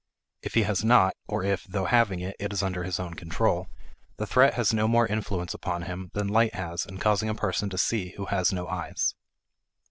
If he has not, or if, though having it, it is under his own control, the threat has no more influence upon him than light has in causing a person to see who has no eyes.